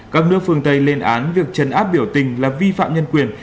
các nước phương tây lên án việc chấn áp biểu tình là vi phạm nhân quyền